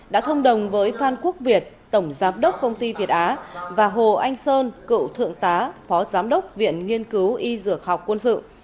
đã thông đồng với phan quốc việt tổng giám đốc công ty việt á và hồ anh sơn cựu thượng tá phó giám đốc viện nghiên cứu y dược học quân sự